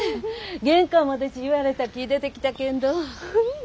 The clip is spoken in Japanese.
玄関までち言われたき出てきたけんど。